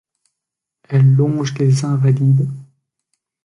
Elle longe les Invalides.